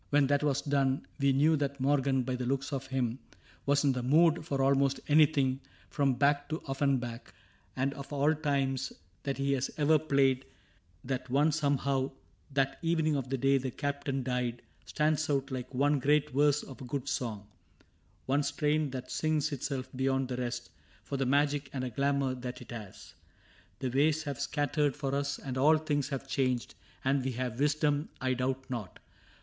When that was done We knew that Morgan, by the looks of him, Was in the mood for almost anything From Bach to Offenbach ;— and of all times That he has ever played, that one somehow — That evening of the day the Captain died — Stands out like one great verse of a good song, One strain that sings itself beyond the rest For the magic and a glamour that it has. The ways have scattered for us, and all things Have changed; and we have wisdom, I doubt not.